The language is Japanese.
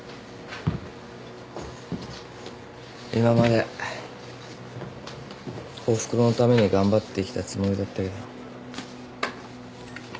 今までおふくろのために頑張ってきたつもりだったけど。